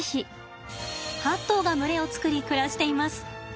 ８頭が群れを作り暮らしています。